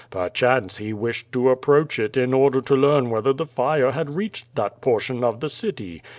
Perchance he wished to approach it in order to learn whether the fire had reached that portion of the city.